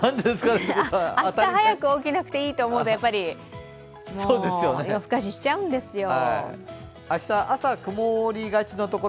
明日早く起きなくていいと思うと夜ふかし、しちゃうんですよ。